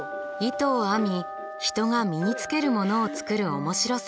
糸を編み人が身につけるものを作る面白さ。